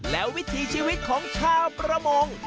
และวิถีชีวิตของชาวประมง